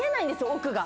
奥が。